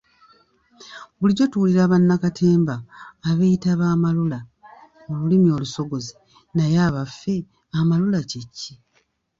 Bulijjo tuwulira bannakatemba abeeyita ba 'amalula' mu lulimi olusogozi naye abaffe amalula kye ki?